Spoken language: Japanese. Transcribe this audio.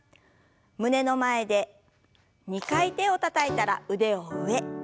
胸の前で２回手をたたいたら腕を上。